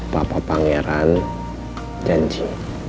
papa pangeran janji